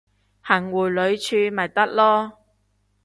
行迴旋處咪得囉